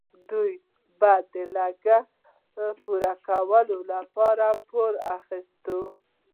دوی به د لګښت پوره کولو لپاره پور اخیست.